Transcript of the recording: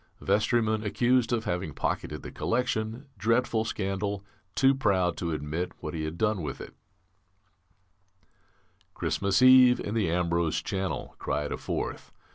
Vestryman accused of having pocketed the collection, dreadful scandal, too proud to admit what he had done with it ""Christmas Eve in the Ambrose Channel," cried a fourth.